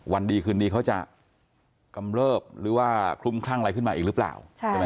ดีคืนนี้เขาจะกำเริบหรือว่าคลุมคลั่งอะไรขึ้นมาอีกหรือเปล่า